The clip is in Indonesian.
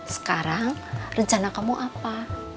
sekarang rencana kamu apa